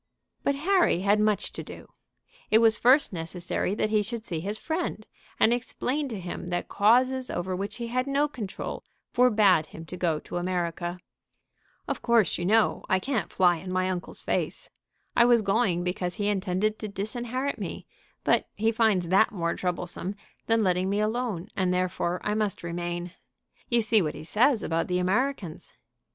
But Harry had much to do. It was first necessary that he should see his friend, and explain to him that causes over which he had no control forbade him to go to America. "Of course, you know, I can't fly in my uncle's face. I was going because he intended to disinherit me; but he finds that more troublesome than letting me alone, and therefore I must remain. You see what he says about the Americans."